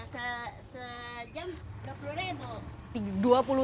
sejam dua puluh ribu